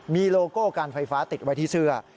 มีโลโก้การไฟฟ้าติดไว้ที่เสื้อ